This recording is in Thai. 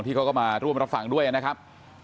เขาก็มาร่วมรับฟังด้วยนะครับ